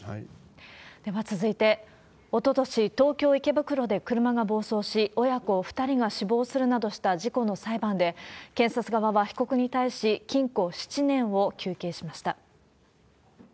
では続いて、おととし、東京・池袋で車が暴走し、親子２人が死亡するなどした事故の裁判で、検察側は被告に対し、禁錮７年を求刑しました。